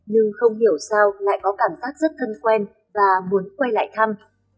nhưng không hiểu sao lại có cảm giác rất thân quen và muốn quay lại thăm